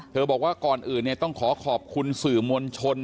บอกว่าก่อนอื่นต้องขอขอบคุณสื่อมวลชน